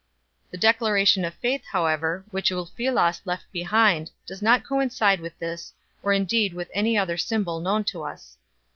The declaration of faith however which Ulfilas left behind does not coincide with this or indeed with any other symbol known to us.